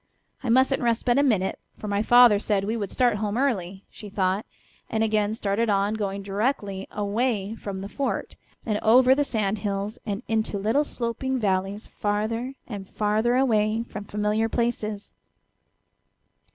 I mustn't rest but a minute, for my father said we would start home early," she thought, and again started on, going directly away from the fort, and over sand hills and into little sloping valleys farther and farther away from familiar places.